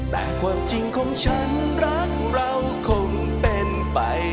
แต่ความจริงของฉันรักเราคงเป็นไป